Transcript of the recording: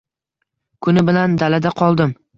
Kuni bilan dalada qoldim